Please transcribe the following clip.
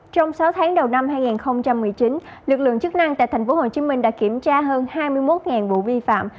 trong sáu tháng đầu năm hai nghìn một mươi chín lực lượng chức năng tại tp hcm đã kiểm tra hơn hai mươi một vụ vi phạm